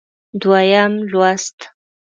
دویم لوست